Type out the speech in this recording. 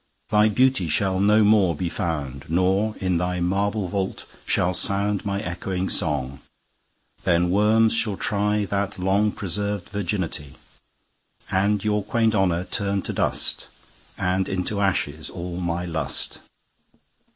Thy Beauty shall no more be found; Nor, in thy marble Vault, shall soundMy ecchoing Song: then Worms shall tryThat long preserv'd Virginity:And your quaint Honour turn to dust; And into ashes all my Lust.